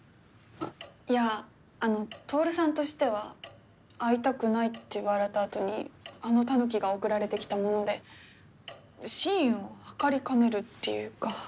いやあの透さんとしては会いたくないって言われた後にあのタヌキが送られてきたもので真意を測りかねるっていうか。